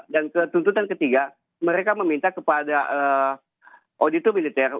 dan tuntutan ketiga mereka meminta kepada auditor militer